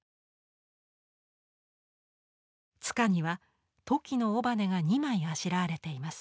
柄にはトキの尾羽が２枚あしらわれています。